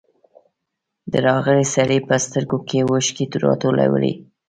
د راغلي سړي په سترګو کې اوښکې راټولې وې.